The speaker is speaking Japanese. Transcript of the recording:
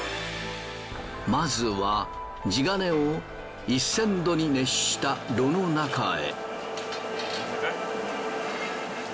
まずは地金を１，０００度に熱した炉の中へ。